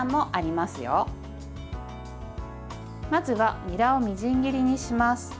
まずはにらをみじん切りにします。